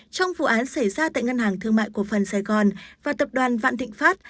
trong vụ án xảy ra tại ngân hàng thương mại cổ phần sài gòn và tập đoàn vạn thịnh pháp